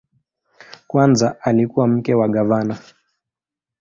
Kwanza alikuwa mke wa gavana.